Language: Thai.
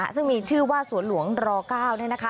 ซึ่งมีชื่อว่าสวนหลวงล๙นะคะ